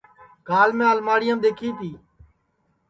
کال میں الماڑیام دؔیکھی تی